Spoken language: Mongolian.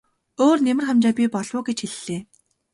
Өөр нэмэр хамжаа бий болов уу гэж хэллээ.